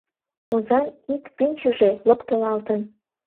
— Озан ик пӱнчыжӧ локтылалтын.